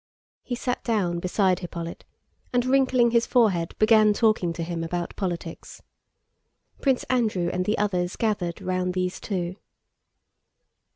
He sat down beside Hippolyte and wrinkling his forehead began talking to him about politics. Prince Andrew and the others gathered round these two.